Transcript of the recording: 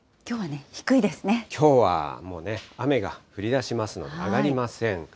きょうはもうね、雨が降りだしますので上がりません。